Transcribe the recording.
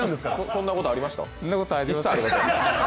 そんなことありません。